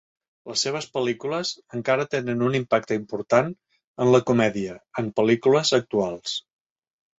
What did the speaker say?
Les seves pel·lícules encara tenen un impacte important en la comèdia, en pel·lícules actuals.